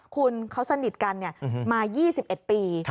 คุณเขาสนิทกันเนี่ยมา๒๑ปี